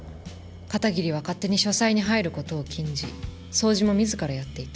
片桐は勝手に書斎に入る事を禁じ掃除も自らやっていた。